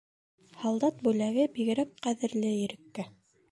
Һалдат бүләге бигерәк ҡәҙерле Иреккә.